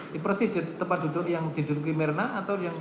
di persis tempat duduk yang diduduki mirna atau yang